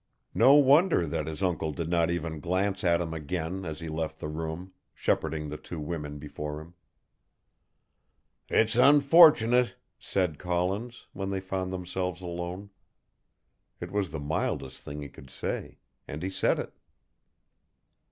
No wonder that his uncle did not even glance at him again as he left the room, shepherding the two women before him. "It's unfortunate," said Collins, when they found themselves alone. It was the mildest thing he could say, and he said it.